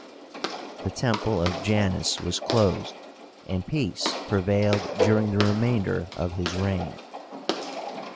The Temple of Janus was closed, and peace prevailed during the remainder of his reign.